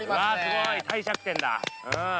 すごい帝釈天だ。